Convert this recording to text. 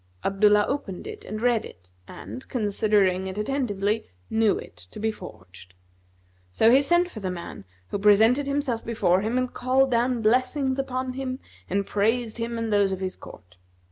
Abdullah opened it and read it and, considering it attentively, knew it to be forged; so he sent for the man, who presented himself before him and called down blessings upon him and praised him and those of his court.